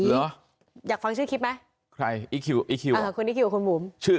หรืออยากฟังชื่อคลิปไหมใครอิคคิวอิคคิวคุณอิคคิวคุณหวูม